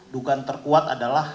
dugaan terkuat adalah